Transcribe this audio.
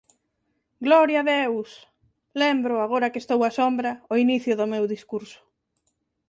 Gloria a Deus! Lembro, agora que estou á sombra, o inicio do meu discurso.